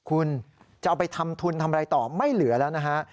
คุณจะเอาไปทำทุนทำอะไรต่อไม่เหลือแล้วนะฮะ